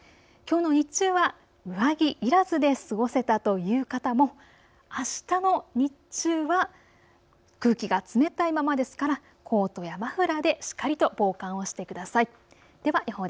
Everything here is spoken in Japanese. きょうの日中は上着いらずで過ごせたという方もあしたの日中は空気が冷たいままですから、コートやマフラーでしっかりと防寒をしてください。